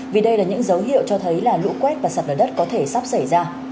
vì đây là những dấu hiệu cho thấy là lũ quét và sạt lở đất có thể sắp xảy ra